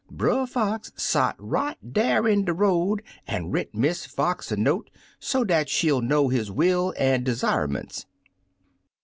Brer Fox sot right flat in de road an' writ Miss Fox a note, so dat she'll know his will an' desire ments.